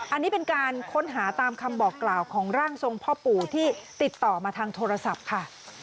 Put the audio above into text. อันนี้เป็นการค้นหาตามคำบอกกล่าวของร่างทรงพ่อปู่ที่ติดต่อมาทางโทรศัพท์ค่ะ